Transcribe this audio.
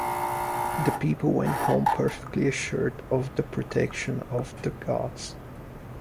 The people went home perfectly assured of the protection of the gods.